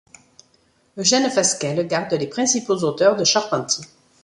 Eugène Fasquelle garde les principaux auteurs de Charpentier.